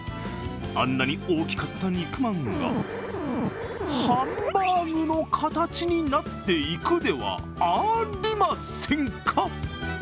あんなに大きかった肉まんがハンバーグの形になっていくではありませんか。